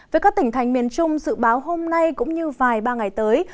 với các tỉnh thành miền trung dự báo hôm nay cũng như vài ba ngày tới